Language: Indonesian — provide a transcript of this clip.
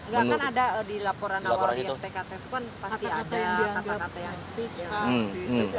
nggak kan ada di laporan awal spkt pun pasti ada kata kata yang head speech kan